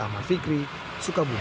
amal fikri sukabumi